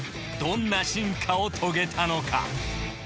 どんな進化を遂げたのか？